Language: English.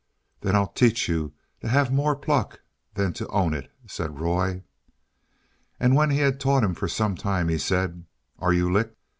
"Then I'll teach you to have more pluck than to own it," said Roy. When he had taught him for some time, he said, "Are you licked?"